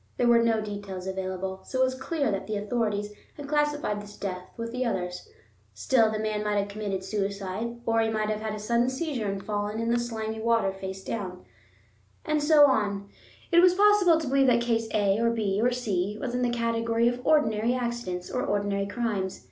There were no details available, so it was clear that the authorities had classified this death with the others; still, the man might have committed suicide, or he might have had a sudden seizure and fallen in the slimy water face downwards. And so on: it was possible to believe that case A or B or C was in the category of ordinary accidents or ordinary crimes.